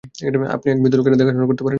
আপনি এক বৃদ্ধ লোকের দেখাশোনা করতে পারেন না?